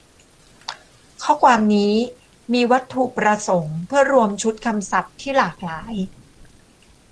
ข้อความนี้มีวัตถุประสงค์เพื่อรวมชุดคำศัพท์ที่หลากหลาย